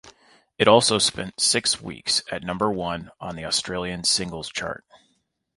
It also spent six weeks at number one on the Australian Singles Chart.